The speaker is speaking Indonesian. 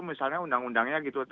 misalnya undang undangnya gitu